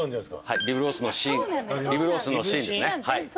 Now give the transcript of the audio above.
はいリブロースの芯リブロースの芯ですね。